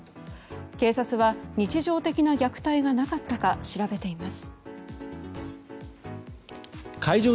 警察は日常的な虐待がなかったか調べています。